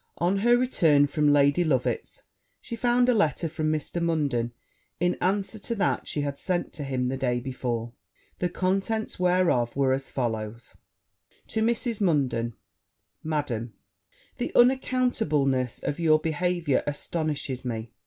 On her return from Lady Loveit's, she found a letter from Mr. Munden, in answer to that she had sent to him the day before: the contents whereof were as follow. 'To Mrs. Munden. Madam, The unaccountableness of your behaviour astonishes me!